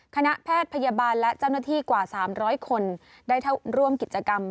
คณะแพทย์พยาบาลและเจ้าหน้าที่กว่า๓๐๐คนได้เข้าร่วมกิจกรรม